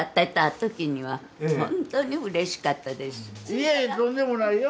いえいえとんでもないよ。